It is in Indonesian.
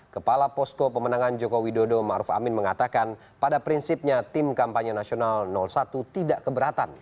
kepala posko pemenangan joko widodo ⁇ maruf ⁇ amin mengatakan pada prinsipnya tim kampanye nasional satu tidak keberatan